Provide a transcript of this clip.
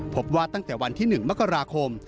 พบว่าตั้งแต่วันที่๑มกราคม